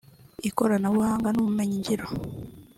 ikoranabuhanga n’ubumenyi ngiro